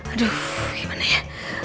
aduh gimana ya